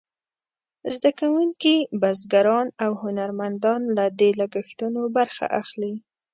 زده کوونکي، بزګران او هنرمندان له دې لګښتونو برخه اخلي.